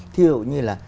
thí dụ như là